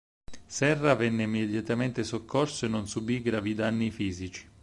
Serra venne immediatamente soccorso e non subì gravi danni fisici.